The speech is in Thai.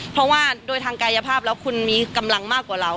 เพราะว่าโดยทางกายภาพแล้วคุณมีกำลังมากกว่าเรา